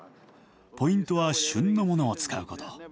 ポイントは旬のものを使うこと。